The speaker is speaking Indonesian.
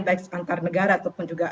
baik antar negara ataupun juga